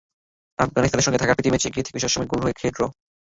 আফগানিস্তানের সঙ্গে ঢাকায় প্রীতি ম্যাচে এগিয়ে থেকেও শেষ সময়ে গোল খেয়ে ড্র।